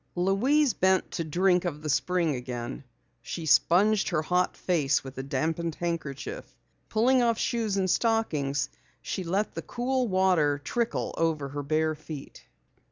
Louise bent to drink of the spring again. She sponged her hot face with a dampened handkerchief. Pulling off shoes and stockings, she let the cool water trickle over her bare feet.